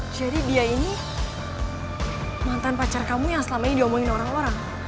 jadi dia ini mantan pacar kamu yang selama ini diomongin orang orang